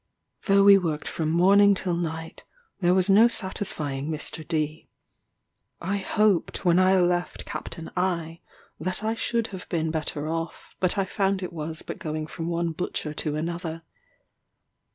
Though we worked from morning till night, there was no satisfying Mr. D . I hoped, when I left Capt. I , that I should have been better off, but I found it was but going from one butcher to another.